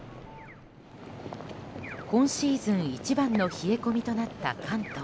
今シーズン一番の冷え込みとなった関東。